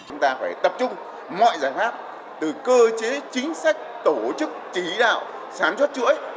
chúng ta phải tập trung mọi giải pháp từ cơ chế chính sách tổ chức chỉ đạo sáng chốt chuỗi